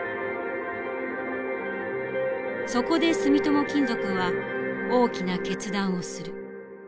そこで住友金属は大きな決断をする。